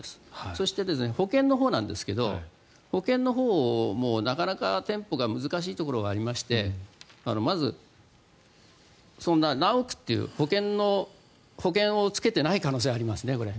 そして、保険のほうなんですが保険のほうもなかなか難しいところがありましてまず、何億という保険をつけていない可能性がありますね。